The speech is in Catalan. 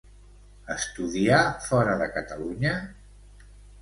Estudià fora de Catalunya?